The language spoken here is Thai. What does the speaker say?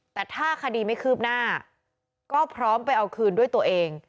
แต่ถ้าคดีไม่คืบหน้าก็พร้อมไปเอาคืนด้วยตัวเอง